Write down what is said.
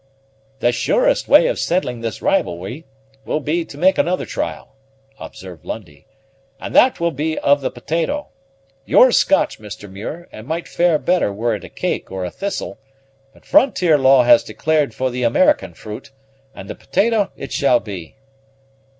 "The surest way of settling this rivalry will be to make another trial," observed Lundie, "and that will be of the potato. You're Scotch, Mr. Muir, and might fare better were it a cake or a thistle; but frontier law has declared for the American fruit, and the potato it shall be."